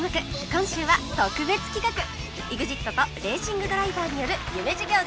今週は特別企画 ＥＸＩＴ とレーシングドライバーによる夢授業です